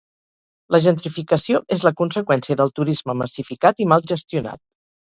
La gentrificació és la conseqüència del turisme massificat i mal gestionat.